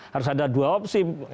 harus ada dua opsi